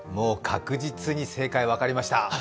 確実に正解、分かりました。